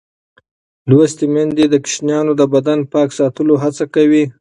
لوستې میندې د ماشومانو د بدن پاک ساتلو هڅه کوي.